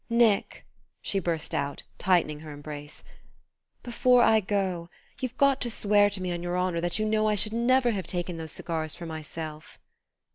"Nick!" she burst out, tightening her embrace, "before I go, you've got to swear to me on your honour that you know I should never have taken those cigars for myself!"